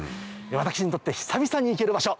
私にとって久々に行ける場所。